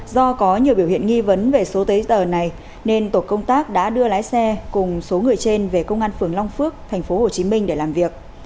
do có nhiều biểu hiện nghi vấn về số giấy tờ này nên tổ công tác đã đưa lái xe cùng số người trên về công an phường long phước tp hcm để làm việc